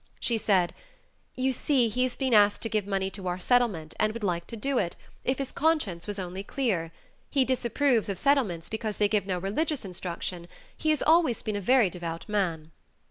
She said, "You see, he has been asked to give money to our Settlement and would like to do it, if his conscience was only clear; he disapproves of Settlements because they give no religious instruction; he has always been a very devout man."